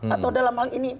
atau dalam hal ini